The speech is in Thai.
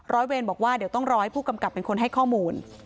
เวรบอกว่าเดี๋ยวต้องรอให้ผู้กำกับเป็นคนให้ข้อมูล